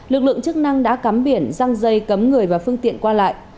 lực lượng chức năng đã cắm biển răng dây cấm người và phương tiện qua lại